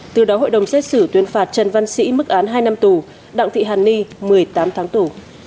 từ đó hội đồng xét xử tuyên phạt trần văn sĩ mức án hai năm tù đặng thị hàn ni một mươi tám tháng tù